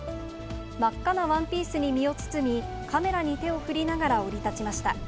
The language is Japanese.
真っ赤なワンピースに身を包み、カメラに手を振りながら降り立ちました。